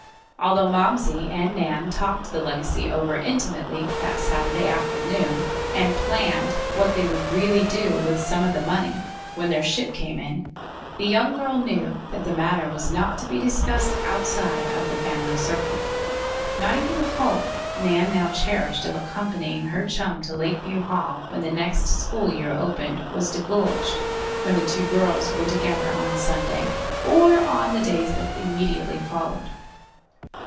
Although Momsey and Nan talked the legacy over intimately that Saturday afternoon, and planned what they would really do with some of the money "when their ship came in," the young girl knew that the matter was not to be discussed outside of the family circle. Not even the hope Nan now cherished of accompanying her chum to Lakeview Hall when the next school year opened was divulged when the two girls were together on Sunday, or on the days that immediately followed.